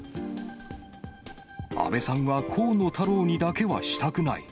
安倍さんは河野太郎にだけはしたくない。